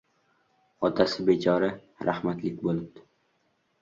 Otasi bechora rahmatlik bo‘libdi.